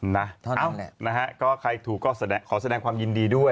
นะฮะใครถูกก็ขอแสดงความยินดีด้วย